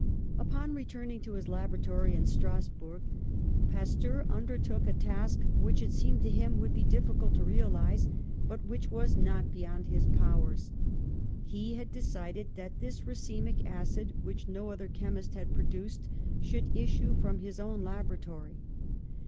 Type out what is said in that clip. Upon returning to his laboratory in Stras burg, Pasteur undertook a task which it seemed to him would be difficult to realise, but which was not beyond his powers. He had decided that this racemic acid which no other chemist had produced should issue from his own labora tory!